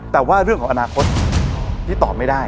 แต่ว่าเรื่องของอนาคตที่ตอบไม่ได้